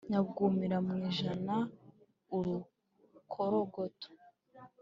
Nyabwumira mu ijana-Urukorogoto.